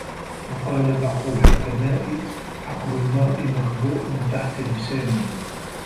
وَقَالَ بَعْضُ الْحُكَمَاءِ عَقْلُ الْمَرْءِ مَخْبُوءٌ تَحْتَ لِسَانِهِ